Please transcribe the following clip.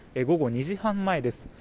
午後２時半前です。